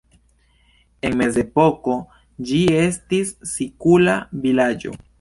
En mezepoko ĝi estis sikula vilaĝo.